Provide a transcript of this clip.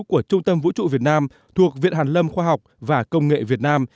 của trung tâm vũ trụ việt nam thuộc viện hàn lâm khoa học và công nghệ việt nam